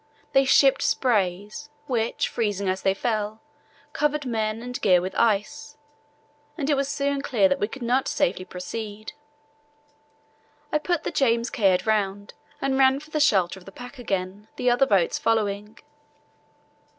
They shipped sprays, which, freezing as they fell, covered men and gear with ice, and soon it was clear that we could not safely proceed. I put the James Caird round and ran for the shelter of the pack again, the other boats following.